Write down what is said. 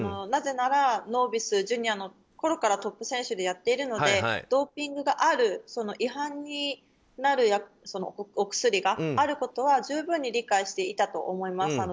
なぜなら、ノービスジュニアのころからトップ選手でやっているのでドーピングがある違反になるお薬があることは十分に理解していたと思います。